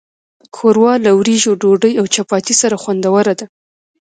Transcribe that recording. ښوروا له وریژو، ډوډۍ، او چپاتي سره خوندوره ده.